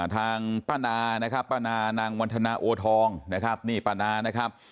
ทางป้านานะครับป้านานางวันธนาโอทองนะครับนี่ป้านานะครับ